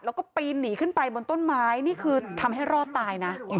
แล้วก็ปีนหนีขึ้นไปบนต้นไม้นี่คือทำให้รอดตายนะ